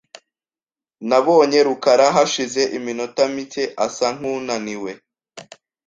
Nabonye rukara hashize iminota mike asa nkunaniwe .